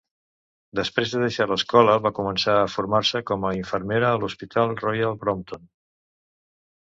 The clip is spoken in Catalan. Després de deixar l'escola, va començar a formar-se com a infermera a l'hospital Royal Brompton.